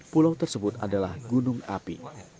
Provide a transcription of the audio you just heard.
pulau tersebut adalah gunung api